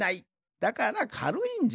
だからかるいんじゃ。